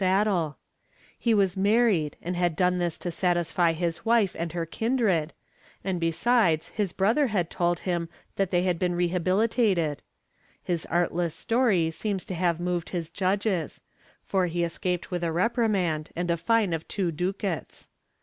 131 40 (Madrid, 1903) 180 HABSHEB PENALTIES [Book Vn he was married and had done this to satisfy his wife and her kindred, and besides his brother had told him that they had been rehabihtated. His artless story seems to have moved his judges, for he escaped with a reprimand and a fine of two ducats.